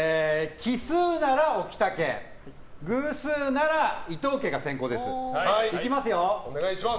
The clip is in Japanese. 奇数なら置田家偶数なら伊藤家が先攻です。